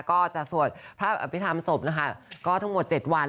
ก็จะสวดพระอภิษฐรรมศพนะคะก็ทั้งหมด๗วัน